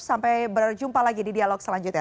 sampai berjumpa lagi di dialog selanjutnya